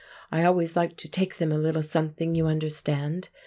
I always like to take them a little something, you understand.